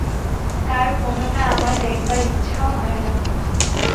তার কোনটা আমার দেখবার ইচ্ছাও হয় না।